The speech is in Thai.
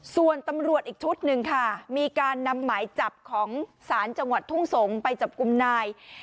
ส่วนตำรวจอีกชุดหนึ่งค่ะมีการนำหมายจับของศาลจังหวัดทุ่งสงศ์ไปจับกลุ่มนาย